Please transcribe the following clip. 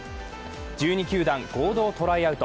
１２球団合同トライアウト。